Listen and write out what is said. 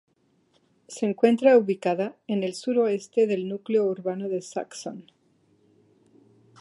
Se encuentra ubicada en el suroeste del núcleo urbano de Saxon.